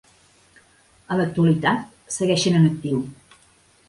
En l'actualitat segueixen en actiu.